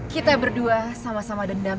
kita berdua sama sama dendam